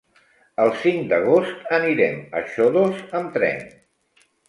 El cinc d'agost anirem a Xodos amb tren.